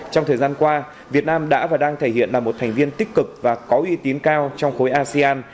trong thời gian qua việt nam đã và đang thể hiện là một thành viên tích cực và có uy tín cao trong khối asean